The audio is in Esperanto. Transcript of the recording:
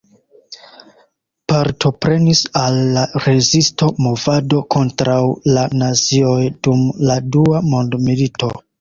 Partoprenis al la Rezisto-movado kontraŭ la nazioj dum la Dua mondmilito.